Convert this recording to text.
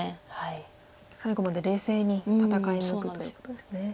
最後まで冷静に戦い抜くということですね。